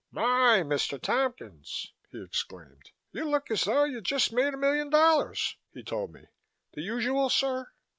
"My! Mr. Tompkins," he exclaimed. "You look as though you'd just made a million dollars," he told me. "The usual, sir?"